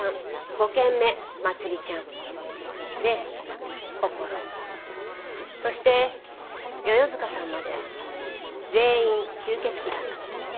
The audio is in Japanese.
５件目まつりちゃんでこころそして世々塚さんまで全員吸血鬼だったの。